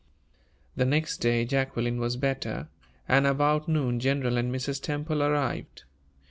The next day Jacqueline was better, and about noon General and Mrs. Temple arrived.